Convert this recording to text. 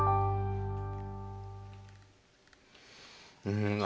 うん。